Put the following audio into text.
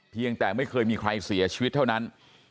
ยังแต่ไม่เคยมีใครเสียชีวิตเท่านั้น